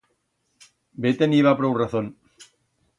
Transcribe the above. Be teniba prou razón.